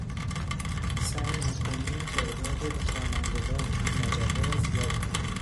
سعی میکنیم تعداد خوانندگان این مجله را زیاد کنیم.